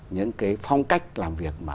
những cái phong cách làm việc mà